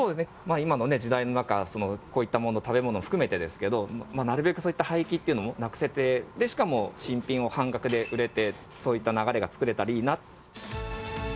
今の時代の中、こういったもの、食べ物含めてですけども、なるべくそういった廃棄っていうのをなくせて、しかも新品を半額で売れて、そういった流れが作れたらいいなと。